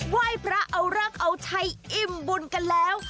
ไหว้พระเอาเลิกเอาชัยอิ่มบุญกันแล้ว